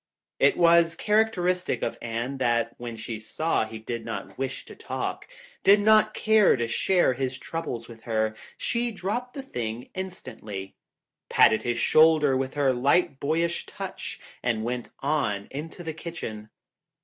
It was characteristic of Anne that when she saw he did not wish to talk, did not care to share his trouble with her, she dropped the thing instantly. Patted his shoulder with her light, boyish touch and went on into the kitchen.